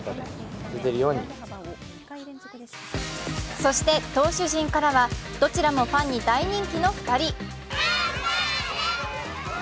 そして投手陣からは、どちらもファンに大人気の２人。